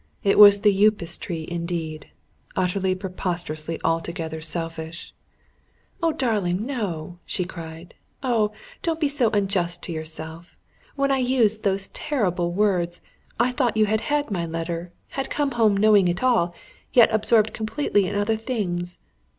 It was the Upas tree indeed: utterly, preposterously, altogether, selfish!" "My darling, no!" she cried. "Oh, don't be so unjust to yourself! When I used those terrible words, I thought you had had my letter, had come home knowing it all, yet absorbed completely in other things.